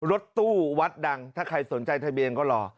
รถตู้วัดดังถ้าใครสนใจทะเบียนก็รอ